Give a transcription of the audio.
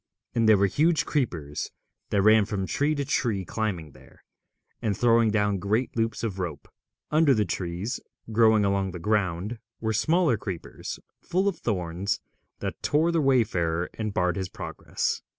And there were huge creepers that ran from tree to tree climbing there, and throwing down great loops of rope. Under the trees, growing along the ground, were smaller creepers full of thorns, that tore the wayfarer and barred his progress.